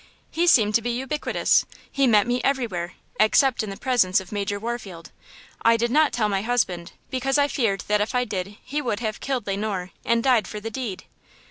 He seemed to be ubiquitous! He met me everywhere–except in the presence of Major Warfield. I did not tell my husband, because I feared that if I did he would have killed Le Noir and died for the deed."